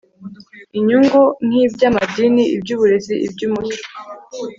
inyungu nk iby amadini iby uburezi iby umuco